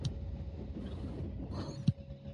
نجونې به تر هغه وخته پورې مشري کوي.